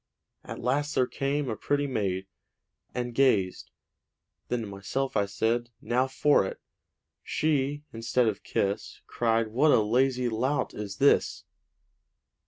At last there came a pretty maid, And gazed; then to myself I said, 'Now for it!' She, instead of kiss, Cried, 'What a lazy lout is this!'